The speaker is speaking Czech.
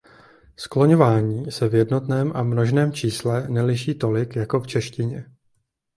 Skloňování se v jednotném a množném čísle neliší tolik jako v češtině.